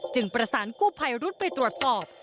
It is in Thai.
ประสานกู้ภัยรุดไปตรวจสอบ